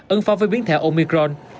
ưng phó với biến thể omicron